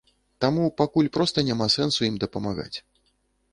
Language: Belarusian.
Таму пакуль проста няма сэнсу ім дапамагаць.